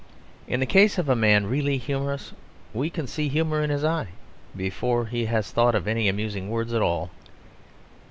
In the case of a man really humorous we can see humour in his eye before he has thought of any amusing words at all.